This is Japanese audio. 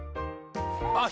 あっ